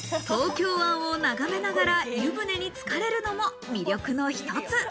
東京湾を眺めながら湯船につかれるのも魅力の一つ。